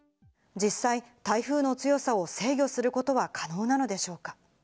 実際、台風の強さを制御することは可能なのでしょうか。